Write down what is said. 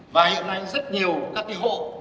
và hiện nay rất nhiều các cái hộ